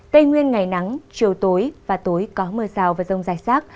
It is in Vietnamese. tây nguyên ngày nắng chiều tối và tối có mưa rào và rông dài rác